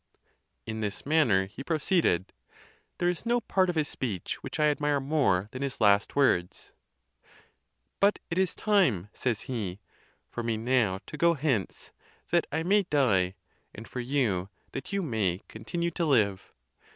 In this manner he proceeded. There is no part of his speech which I admire more than his last words: " But it is time," says he, "for me now to go hence, that I may die; and for you, that you may continue to live.